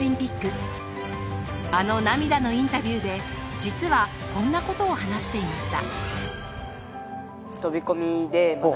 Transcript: あの涙のインタビューで実はこんな事を話していました。